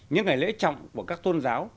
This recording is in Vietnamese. những ngày lễ trọng của các tôn giáo